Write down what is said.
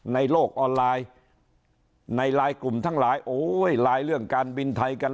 ในโลกออนไลน์ในไลน์กลุ่มทั้งหลายโอ้ยไลน์เรื่องการบินไทยกัน